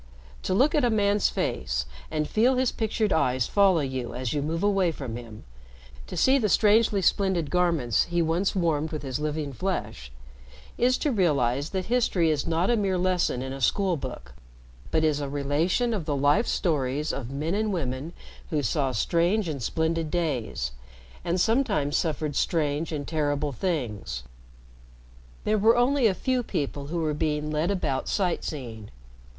To look at a man's face and feel his pictured eyes follow you as you move away from him, to see the strangely splendid garments he once warmed with his living flesh, is to realize that history is not a mere lesson in a school book, but is a relation of the life stories of men and women who saw strange and splendid days, and sometimes suffered strange and terrible things. There were only a few people who were being led about sight seeing.